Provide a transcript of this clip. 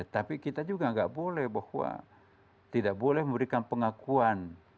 tapi kita juga nggak boleh bahwa tidak boleh memberikan pengakuan